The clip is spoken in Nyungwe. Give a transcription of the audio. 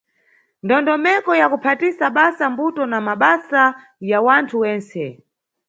Ndondomeko ya Kuphatisa basa mbuto na Mabasa ya wanthu wentse.